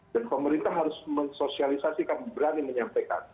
pemerintah harus mensosialisasikan berani menyampaikan